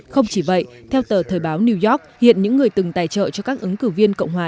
không chỉ vậy theo tờ thời báo new york hiện những người từng tài trợ cho các ứng cử viên cộng hòa